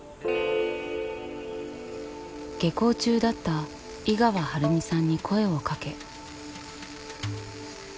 下校中だった井川晴美さんに声をかけ。